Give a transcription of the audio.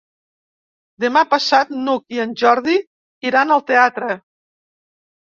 Demà passat n'Hug i en Jordi iran al teatre.